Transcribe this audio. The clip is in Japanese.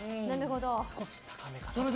少し高めかなと。